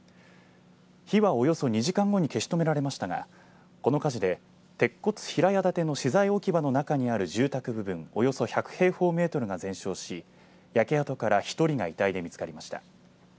火はおよそ２時間後に消し止められましたがこの火事で鉄骨平屋建ての資材置き場の中にある住宅部分およそ１００平方メートルが全焼し焼け跡から１人が遺体で見つかりました。